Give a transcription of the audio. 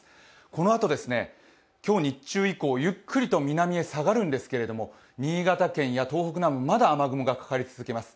このあと、今日日中以降、ゆっくりと南へ下がるんですけれども、新潟県や東北南部は、まだ雨雲がかかり続けます。